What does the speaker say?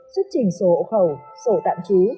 xuất trình sổ hộ khẩu sổ tạm trú